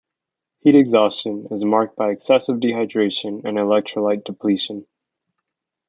Heat exhaustion is marked by excessive dehydration and electrolyte depletion.